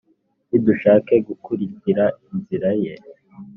ntidushake gukurikira inzira ye,